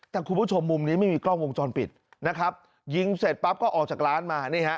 แต่คุณผู้ชมมุมนี้ไม่มีกล้องวงจรปิดนะครับยิงเสร็จปั๊บก็ออกจากร้านมานี่ฮะ